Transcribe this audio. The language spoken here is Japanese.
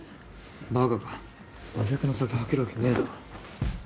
ばかかお客の酒吐けるわけねぇだろ。